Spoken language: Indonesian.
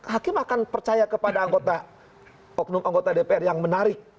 hakim akan percaya kepada anggota dpr yang menarik